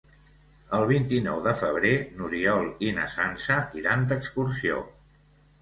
El vint-i-nou de febrer n'Oriol i na Sança iran d'excursió.